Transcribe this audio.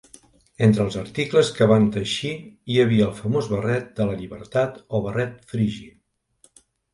Entre els articles que van teixir hi havia el famós barret de la llibertat o barret frigi.